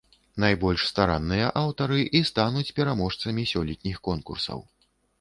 Найбольш старанныя аўтары і стануць пераможцамі сёлетніх конкурсаў.